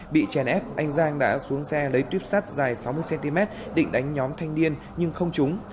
bị chèn ép anh giang đã xuống xe lấy tuyếp sắt dài sáu mươi cm định đánh nhóm thanh niên nhưng không trúng